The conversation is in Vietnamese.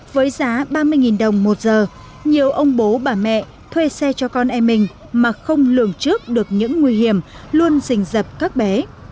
với giá ba mươi đồng một giờ nhiều ông bố bà mẹ thuê xe cho con em mình mà không lường trước được những nguy hiểm luôn rình dập các bé